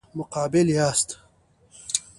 مقابل یاست.